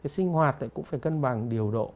sinh hoạt cũng phải cân bằng điều độ